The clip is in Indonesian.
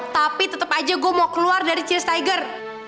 tapi tetap aja gue mau keluar dari cheers tiger